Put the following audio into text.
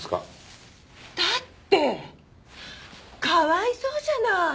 だってかわいそうじゃない。